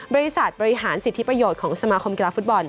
บริษัทบริหารสิทธิประโยชน์ของสมาคมกีฬาฟุตบอล